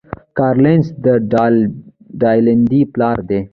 کارل لینس د ډلبندۍ پلار دی